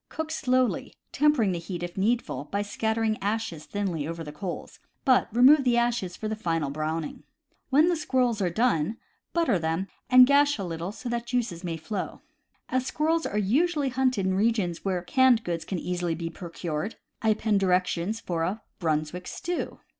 Cook slowly, tempering the heat, if needful, by scattering ashes thinly over the coals; but remove the ashes for a final browning. When the squirrels are done, butter them, and gash a little that the juices may flow. As squirrels are usually hunted in regions where canned goods can easily be procured, I append direc tions for a Brunswick Stew.